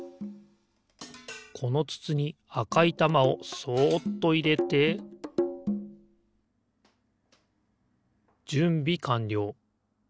このつつにあかいたまをそっといれてじゅんびかんりょう。